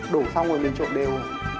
đổ xong rồi mình trộn đều